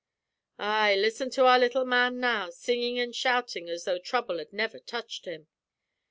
"Ay, listen to our little man now, singin' and shoutin' as tho' trouble had never touched him!